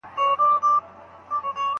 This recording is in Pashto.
موږ د بل په نيمګړتياوو نه پوهيږو.